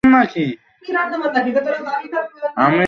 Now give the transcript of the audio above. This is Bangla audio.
তবে দুই সপ্তাহ ধরে বন্দীদের রান্নার জন্য লাইনে গ্যাস পাওয়া যাচ্ছে না।